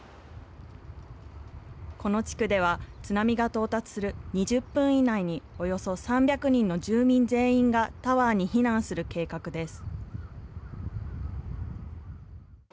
この地区では、津波が到達する２０分以内に、およそ３００人の住民全員がタワーに避難する計画です。